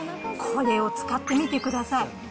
これを使ってみてください。